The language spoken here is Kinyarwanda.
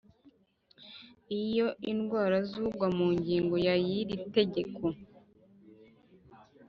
Iyo indwara z ugwa mu ngingo ya y iri tegeko